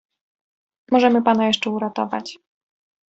"Możemy pana jeszcze uratować."